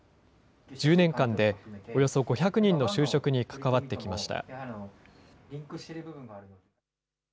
１０年間でおよそ５００人の就職に関わってきました。